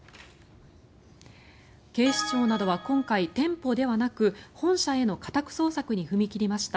警視庁などは今回店舗ではなく本社への家宅捜索に踏み切りました。